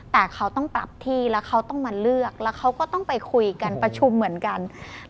แต่เขาต้องปรับที่แล้วเขาต้องมาเลือกแล้วเขาก็ต้องไปคุยกันประชุมเหมือนกัน